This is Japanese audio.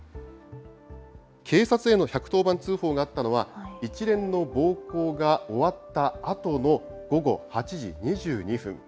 警察への１１０番通報があったのは、一連の暴行が終わったあとの午後８時２２分。